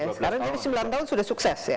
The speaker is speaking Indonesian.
sekarang ini sembilan tahun sudah sukses ya